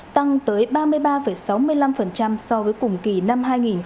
tăng tới ba mươi ba sáu mươi năm so với cùng kỳ năm hai nghìn hai mươi ba